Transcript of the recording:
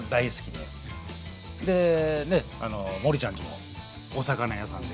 でねっあの森ちゃんちもお魚屋さんで。